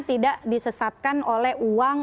tidak disesatkan oleh uang